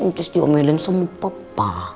mates diomelin sama papa